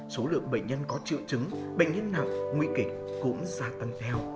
số lượng bệnh nhân có triệu chứng bệnh nhân nặng nguy kịch cũng gia tăng theo